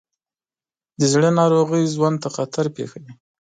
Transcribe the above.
د زړه ناروغۍ ژوند ته خطر پېښوي.